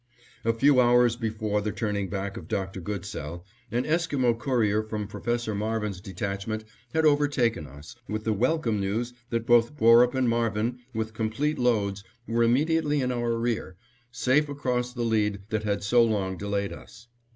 A few hours before the turning back of Dr. Goodsell, an Esquimo courier from Professor Marvin's detachment had overtaken us, with the welcome news that both Borup and Marvin, with complete loads, were immediately in our rear, safe across the lead that had so long delayed us.